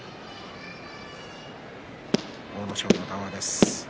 阿武咲の談話でした。